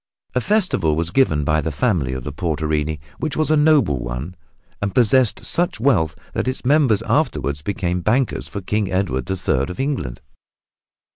A festival was given by the family of the Portinari which was a noble one and possessed such wealth that its members afterward became bankers for King Edward the Third of England.